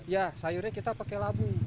ya sayurnya kita pakai labu